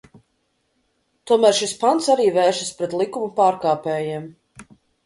Tomēr šis pants arī vēršas pret likuma pārkāpējiem.